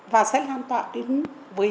và sẽ lan tỏa được và nó sẽ tồn tại được